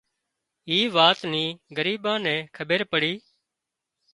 اي وات نِي ڳريٻان نين کٻير پڙي